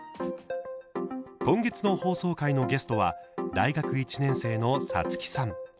今月の放送回のゲストは大学１年生のサツキさん。